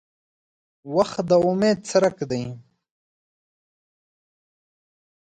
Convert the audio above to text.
• وخت د امید څرک دی.